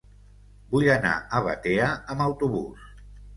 Vull anar a Batea amb autobús.